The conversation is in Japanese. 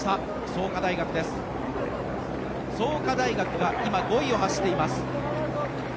創価大学が今、５位を走っています。